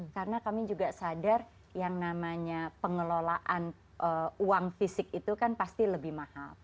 karena kami juga sadar yang namanya pengelolaan uang fisik itu kan pasti lebih mahal